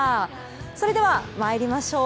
それでは参りましょう。